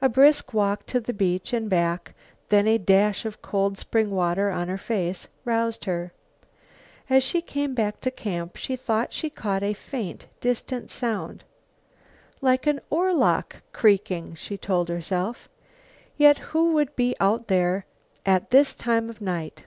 A brisk walk to the beach and back, then a dash of cold spring water on her face, roused her. As she came back to camp she thought she caught a faint and distant sound. "Like an oarlock creaking," she told herself, "yet who would be out there at this time of night?"